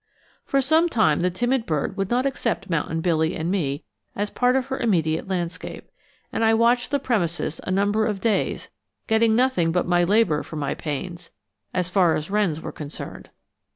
For some time the timid bird would not accept Mountain Billy and me as part of her immediate landscape, and I watched the premises a number of days, getting nothing but my labor for my pains, as far as wrens were concerned.